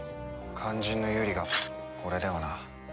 肝心のユーリがこれではな。